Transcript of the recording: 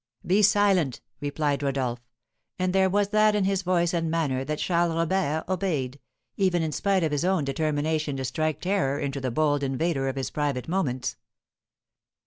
"Be silent!" replied Rodolph; and there was that in his voice and manner that Charles Robert obeyed, even in spite of his own determination to strike terror into the bold invader of his private moments.